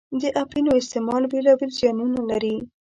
د اپینو استعمال بېلا بېل زیانونه لري.